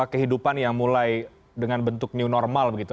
kehidupan yang mulai dengan bentuk new normal begitu